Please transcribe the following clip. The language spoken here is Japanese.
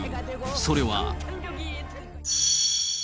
それは。